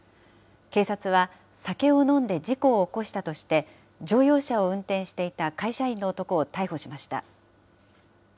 警察は酒を飲んで事故を起こしたとして、乗用車を運転していた会社員の男を逮捕しました。